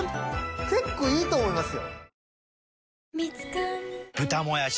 結構いいと思いますよ。